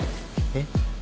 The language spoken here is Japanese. えっ？